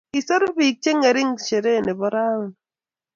kiseru biik chengering shereee nebo rauni